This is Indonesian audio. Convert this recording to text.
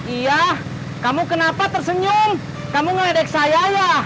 iya kamu kenapa tersenyum kamu ngadek saya ya